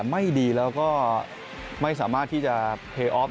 ไม่ดีแล้วก็ไม่สามารถที่จะเทออฟ